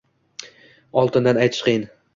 oldindan aytish qiyin.